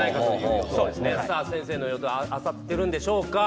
先生の予想は当たっているんでしょうか。